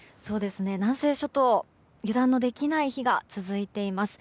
南西諸島、油断のできない日が続いています。